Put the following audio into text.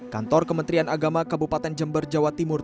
kantor kementerian agama kabupaten jember jawa timur